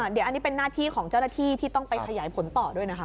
เดี๋ยวอันนี้เป็นหน้าที่ของเจ้าหน้าที่ที่ต้องไปขยายผลต่อด้วยนะคะ